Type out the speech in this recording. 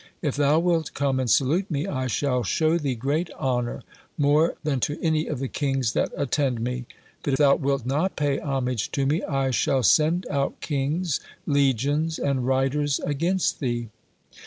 If thou wilt come and salute me, I shall show thee great honor, more than to any of the kings that attend me. But if thou wilt not pay homage to me, I shall send out kings, legions, and riders against thee.